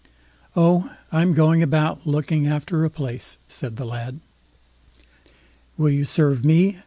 "Oh, I'm going about, looking after a place", said the lad. "Will you serve me?"